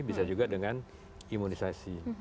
bisa juga dengan imunisasi